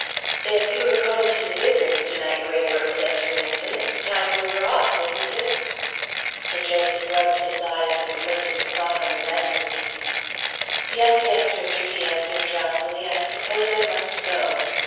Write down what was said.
"If you are going to the vicar's to night. Graybrooke," said Turlington, "it's time you were off, isn't it?" Sir Joseph rubbed his eyes, and looked at the clock on the mantel piece. "Yes, yes, Richard," he answered, drowsily, "I suppose I must go.